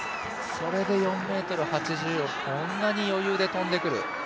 それで４ｍ８０をこの余裕で跳んでくる。